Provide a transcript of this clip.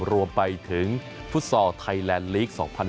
รวมไปถึงฟุตซอลไทยแลนด์ลีก๒๐๑๖